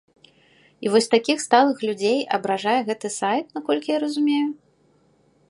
І вось такіх сталых людзей абражае гэты сайт, наколькі я разумею?